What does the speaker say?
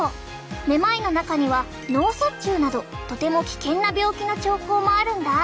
めまいの中には脳卒中などとても危険な病気の兆候もあるんだ。